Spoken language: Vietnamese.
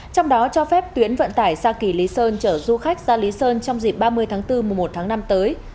trong đó cho phép tuyến vận tải xa kỳ lý sơn chở du khách ra lý sơn trong dịp ba mươi tháng bốn mùa một tháng năm tới